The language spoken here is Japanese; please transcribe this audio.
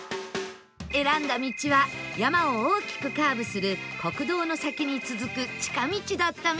選んだ道は山を大きくカーブする国道の先に続く近道だったみたい